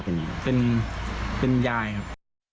เป็นยายครับ